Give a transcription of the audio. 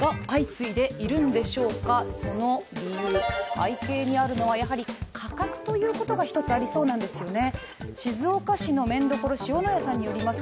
背景にあるのは価格というのが一つあるようなんですね。